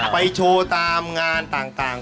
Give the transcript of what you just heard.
โชว์ตามงานต่าง